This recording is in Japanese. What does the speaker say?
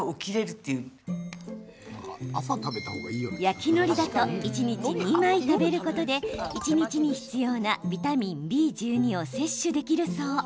焼きのりだと一日２枚食べることで一日に必要なビタミンＢ１２を摂取できるそう。